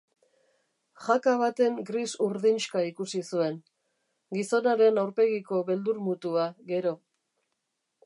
Jaka baten gris urdinxka ikusi zuen, gizonaren aurpegiko beldur mutua gero.